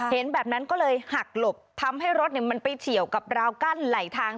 เห็นแบบนั้นก็เลยหักหลบทำให้รถมันไปเฉียวกับราวกั้นไหลทาง